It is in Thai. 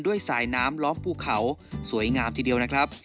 สายน้ำล้อมภูเขาสวยงามทีเดียวนะครับ